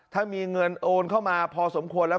ถ้ามีเงินโอนเข้ามาพอสมควรแล้ว